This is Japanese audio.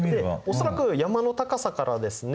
恐らく山の高さからですね